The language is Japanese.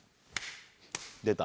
出た！